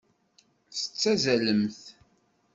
Tettazalemt.